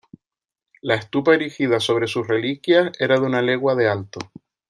La estupa erigida sobre sus reliquias era de una legua de alto.